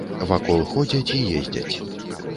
Вакол ходзяць і ездзяць.